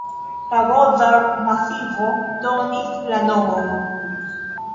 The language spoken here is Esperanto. La Gothard-masivo donis la nomon.